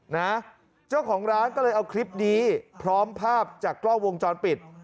นะเจ้าของร้านก็เลยเอาคลิปนี้พร้อมภาพจากกล้องวงจรปิด